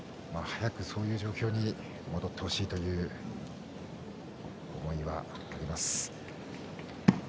早くそういう状況に戻ってほしいという思いはあります。